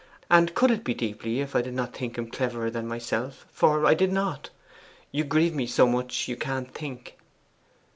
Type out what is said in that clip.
And could it be deeply if I did not think him cleverer than myself? For I did not. You grieve me so much you can't think.